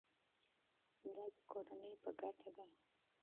دا د کورنۍ په ګټه ده.